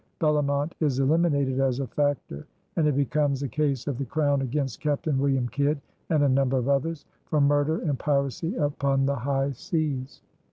Bellomont is eliminated as a factor, and it becomes a case of the Crown against Captain William Kidd and a number of others, for murder and piracy upon the high seas.